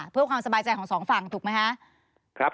เพื่อความสบายใจของสองฝั่งถูกไหมคะ